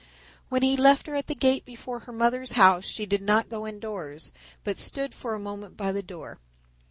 When he left her at the gate before her mother's house she did not go indoors, but stood for a moment by the door.